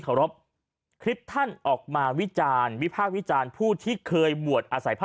ขอรบคลิปท่านออกมาวิจารณ์วิพากษ์วิจารณ์ผู้ที่เคยบวชอาศัยพระ